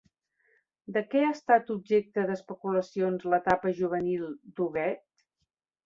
De què ha estat objecte d'especulacions l'etapa juvenil d'Huguet?